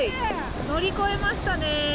乗り越えましたね！